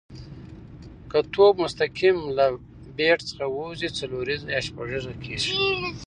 که توپ مستقیم له بېټ څخه وځي، څلوریزه یا شپږیزه کیږي.